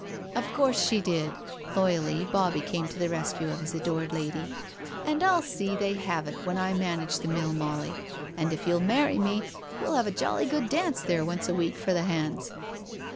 "Of course she did"; loyally Bobbie came to the rescue of his adored lady. " And I'll see they have it when I manage the mill, Molly, and if you'll marry me, we'll have a jolly good dance there once a week for the • hands.'